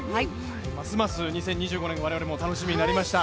ますます我々も楽しみになりました。